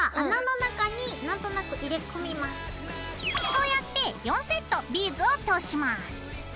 こうやって４セットビーズを通します。